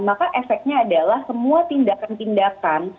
maka efeknya adalah semua tindakan tindakan